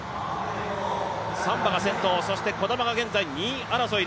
サンバが先頭児玉は２位争い。